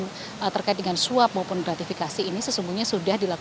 yang terkait dengan suap maupun gratifikasi ini sesungguhnya sudah dilakukan